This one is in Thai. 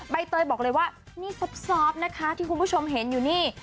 ใบเตยบอกเลยว่านี่ซอบนะคะที่คุณผู้ชมเห็นอยู่นี่